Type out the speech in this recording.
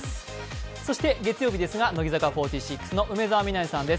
そして月曜日ですが、乃木坂４６の梅澤美波さんです。